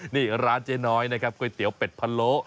นี่ร้านเจ๊น้อยนะครับก๋วยเตี๋ยวเป็ดพะโล